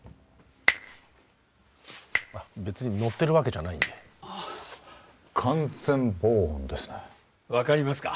別にノってるわけじゃないんであっ完全防音ですね分かりますか？